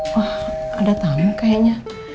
wah ada tamu kayaknya